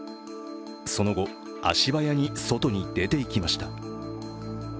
その後、足早に外に出ていきました